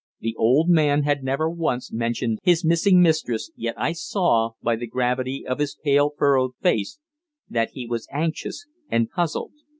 The old man had never once mentioned his missing mistress, yet I saw, by the gravity of his pale, furrowed face, that he was anxious and puzzled.